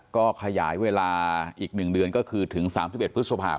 ก็ขยายเวลาอีก๑เดือนก็คือถึง๓๑พฤษภาพ